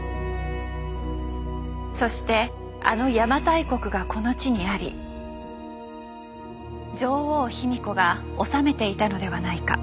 そしてあの「邪馬台国」がこの地にあり女王・卑弥呼が治めていたのではないか。